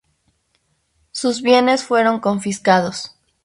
Sus bienes fueron confiscados.